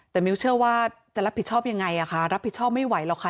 แต่มิวเชื่อว่าจะรับผิดชอบยังไงรับผิดชอบไม่ไหวหรอกค่ะ